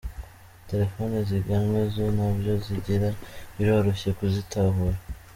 Telefoni ziganwe zo ntabyo zigira, biroroshye kuzitahura.